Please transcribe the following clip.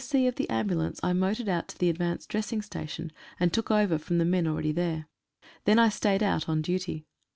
C. of the Ambulance I motored out to the Advanced Dressing Station, and took over from the men already there. Then I stayed out on duty.